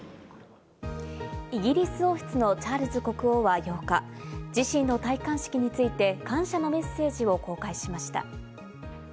イギリス王室のチャールズ国王は８日、自身の戴冠式について感謝のメッセージを公開しました。